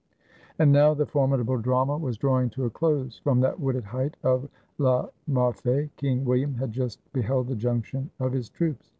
And now the formidable drama was drawing to a close. From that wooded height of La Marfee, King William had just beheld the junction of his troops.